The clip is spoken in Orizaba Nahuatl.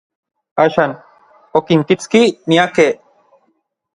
Axan, okinkitski miakej.